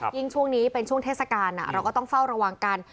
ช่วงนี้เป็นช่วงเทศกาลเราก็ต้องเฝ้าระวังกัน